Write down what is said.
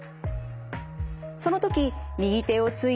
その時右手をついて骨折。